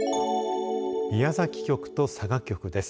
宮崎局と佐賀局です。